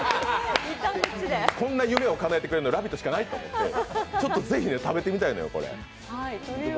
こんな夢をかなえてくれるのは「ラヴィット！」しかないと思って、ぜひ、食べてみたいのよ、これ。